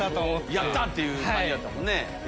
やった！って感じやったもんね。